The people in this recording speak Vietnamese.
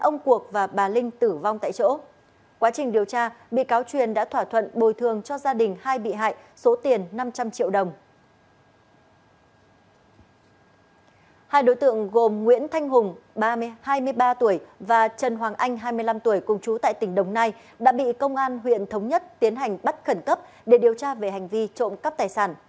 nguyễn thanh hùng hai mươi ba tuổi và trần hoàng anh hai mươi năm tuổi công chú tại tỉnh đồng nai đã bị công an huyện thống nhất tiến hành bắt khẩn cấp để điều tra về hành vi trộm cắp tài sản